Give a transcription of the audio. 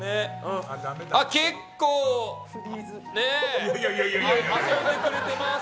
結構ね、遊んでくれてます。